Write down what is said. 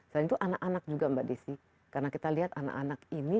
selain itu anak anak juga mbak desi karena kita lihat anak anak ini